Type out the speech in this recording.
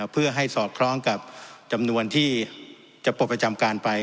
เพื่อให้สอดคล้องกับจำนวนที่จะปลดประจำการไป